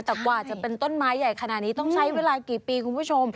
แต่กว่าจะเป็นต้นไม้ใหญ่ขนาดนี้ต้องใช้เวลากี่ปีคุณผู้ชม